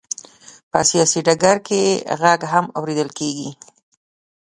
په سیاسي ډګر کې یې غږ هم اورېدل کېږي.